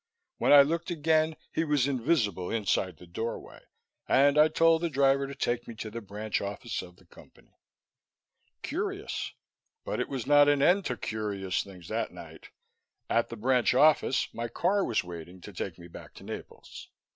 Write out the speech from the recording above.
When I looked again he was invisible inside the doorway, and I told the driver to take me to the branch office of the Company. Curious; but it was not an end to curious things that night. At the branch office, my car was waiting to take me back to Naples.